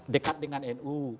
dekat dengan nu